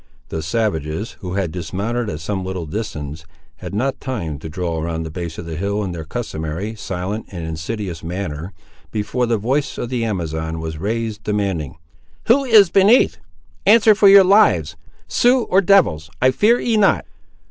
The savages, who had dismounted at some little distance, had not time to draw around the base of the hill in their customary silent and insidious manner, before the voice of the Amazon was raised, demanding— "Who is beneath? Answer, for your lives! Siouxes or devils, I fear ye not!"